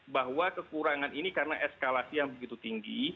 bahwa kekurangan ini karena eskalasi yang begitu tinggi